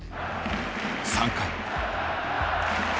３回。